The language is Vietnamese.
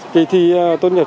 kỳ thi tốt nhật